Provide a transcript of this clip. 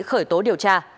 được khởi tố điều tra